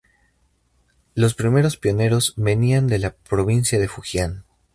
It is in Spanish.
Los primeros pioneros venían de la provincia de Fujian.